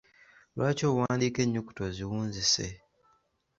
Lwaki owandiika ennyukuta oziwuzise?